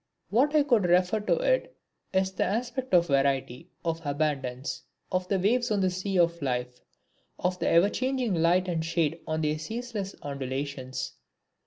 What I would refer to is the aspect of variety, of abundance, of the waves on the sea of life, of the ever changing light and shade on their ceaseless undulations.